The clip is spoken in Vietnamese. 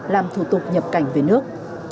làm thủ tục nhập cảnh về nước